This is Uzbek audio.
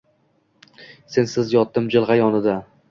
Sensiz yotdim jilg‘a yonida